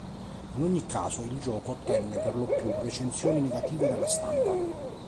In ogni caso il gioco ottenne perlopiù recensioni negative dalla stampa.